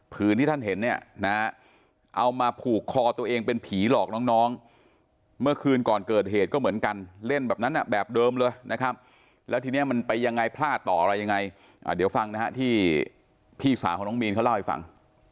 ที่ท่านเห็นเนี่ยนะฮะเอามาผูกคอตัวเองเป็นผีหลอกน้องเมื่อคืนก่อนเกิดเหตุก็เหมือนกันเล่นแบบนั้นแบบเดิมเลยนะครับแล้วทีนี้มันไปยังไงพลาดต่ออะไรยังไงเดี๋ยวฟังนะฮะที่พี่สาวของน้องมีนเขาเล่าให้ฟัง